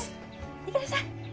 行ってらっしゃい。